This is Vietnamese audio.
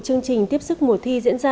chương trình tiếp sức mùa thi diễn ra